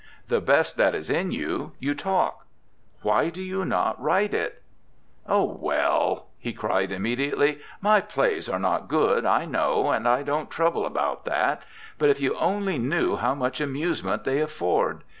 The best that is in you, you talk; why do you not write it?' 'Oh, well,' he cried immediately, 'my plays are not good, I know, and I don't trouble about that, but if you only knew how much amusement they afford!